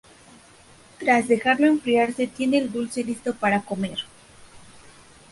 Tras dejarlo enfriar se tiene el dulce listo para comer.